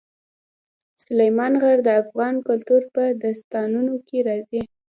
سلیمان غر د افغان کلتور په داستانونو کې راځي.